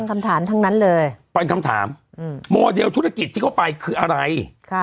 คำถามทั้งนั้นเลยเป็นคำถามโมเดลธุรกิจที่เขาไปคืออะไร